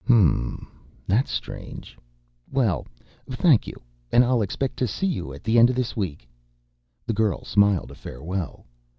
"Hm m m. That's strange. Well, thank you ... and I'll expect to see you at the end of this week." The girl smiled a farewell.